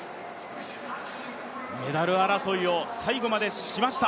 メダル争いを最後までしました。